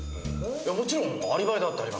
もちろんアリバイだってあります。